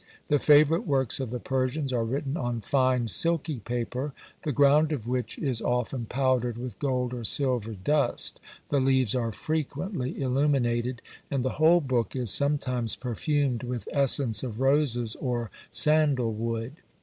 The favourite works of the Persians are written on fine silky paper, the ground of which is often powdered with gold or silver dust; the leaves are frequently illuminated, and the whole book is sometimes perfumed with essence of roses, or sandal wood.